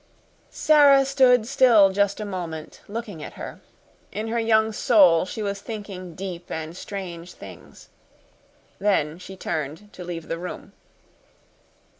Sara stood still just a moment, looking at her. In her young soul, she was thinking deep and strange things. Then she turned to leave the room.